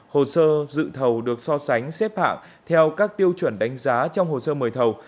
hồ sơ dự thầu được so sánh xếp hạng theo các tiêu chuẩn đánh giá trong hồ sơ mời thầu